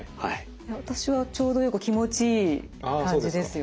私はちょうどよく気持ちいい感じですよ。